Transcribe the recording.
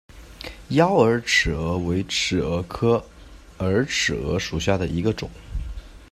妖洱尺蛾为尺蛾科洱尺蛾属下的一个种。